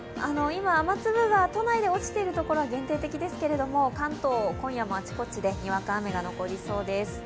今雨粒が都内で落ちているところは限定的ですけれども関東、今夜もあちこちでにわか雨が残りそうです。